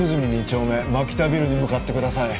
丁目牧田ビルに向かってください